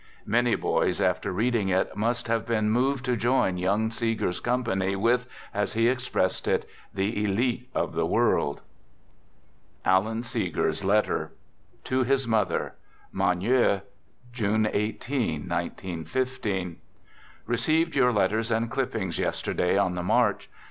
Many boys after reading it must have been moved to join young Seeger's company with, as he expressed it, " the elite of the world." (Alan Seegers Letter) To His Mother Magneux, June 18, 1915. Received your letters and clippings yesterday on j the march.